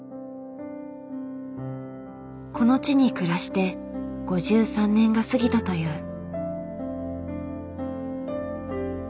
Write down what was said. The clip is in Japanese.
この地に暮らして５３年が過ぎたという。